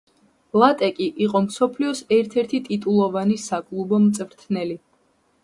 ლატეკი იყო მსოფლიოს ერთ-ერთი ტიტულოვანი საკლუბო მწვრთნელი.